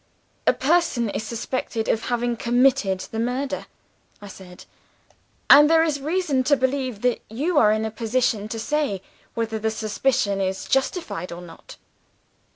'A person is suspected of having committed the murder,' I said; 'and there is reason to believe that you are in a position to say whether the suspicion is justified or not.